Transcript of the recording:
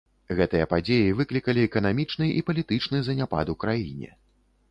Гэтыя падзеі выклікалі эканамічны і палітычны заняпад у краіне.